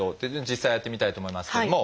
実際やってみたいと思いますけれども。